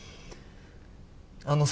あのさ。